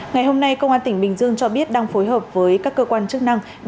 ngày hôm nay công an tỉnh bình dương cho biết đang phối hợp với các cơ quan chức năng